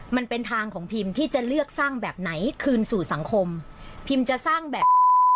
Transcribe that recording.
มันเป็นทางของพิมที่จะเลือกสร้างแบบไหนคืนสู่สังคมพิมจะสร้างแบบ